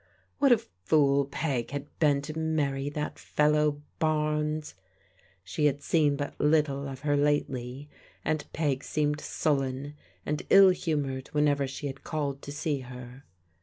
What a fool Peg had been to marry that fellow Barnes! She had seen but little of her lately, and Peg seemed sullen and ill humoured whenever she had called to see her.